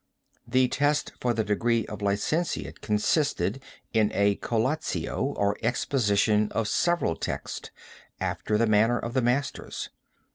The test for the degree of licentiate consisted in a collatio, or exposition of several texts, after the manner of the masters.